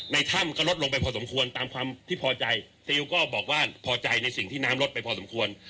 ถ้ำก็ลดลงไปพอสมควรตามความที่พอใจซิลก็บอกว่าพอใจในสิ่งที่น้ำลดไปพอสมควร